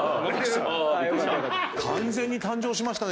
完全に誕生しましたね